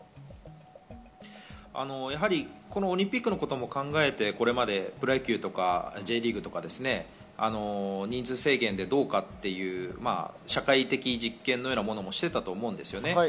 オリンピックのことも考えて、これまでプロ野球やＪリーグとか人数制限でどうかという社会的実験のようなものをしていたんですよね。